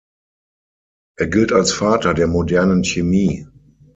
Er gilt als Vater der modernen Chemie.